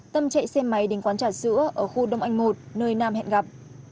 tâm chạy xe máy đến quán trà sữa ở khu đông anh một nơi nam hẹn gặp